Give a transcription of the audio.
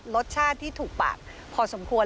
รสชาติที่ถูกปากพอสมควร